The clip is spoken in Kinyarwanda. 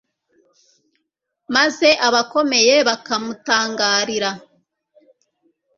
maze abakomeye bakamutangarira